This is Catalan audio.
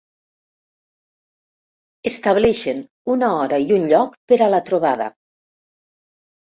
Estableixen una hora i un lloc per a la trobada.